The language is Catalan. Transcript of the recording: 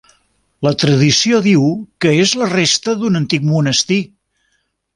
La tradició diu que és la resta d'un antic monestir.